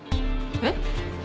えっ？